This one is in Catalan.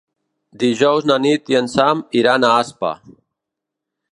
Dijous na Nit i en Sam iran a Aspa.